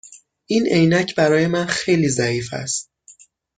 این عینک برای من خیلی ضعیف است.